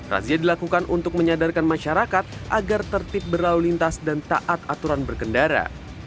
razia dilakukan untuk menyadarkan masyarakat agar tertib berlalu lintas dan taat aturan berkendara